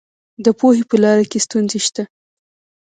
د پوهې په لاره کې ستونزې شته.